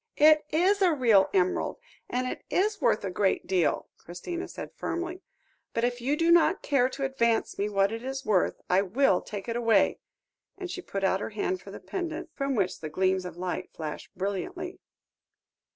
"It is a real emerald, and it is worth a great deal," Christina said firmly, "but if you do not care to advance me what it is worth, I will take it away," and she put out her hand for the pendant, from which the gleams of light flashed brilliantly.